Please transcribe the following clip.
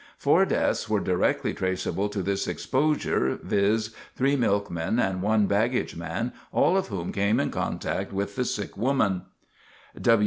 Four deaths were directly traceable to this exposure, viz.: three milkmen and one baggage man, all of whom came in contact with the sick woman.